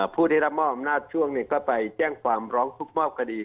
ผู้ได้รับมอบอำนาจช่วงก็ไปแจ้งความร้องทุกข์มอบคดี